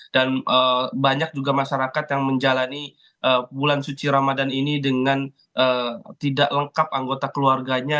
dan banyak juga masyarakat yang menjalani bulan suci ramadan ini dengan tidak lengkap anggota keluarganya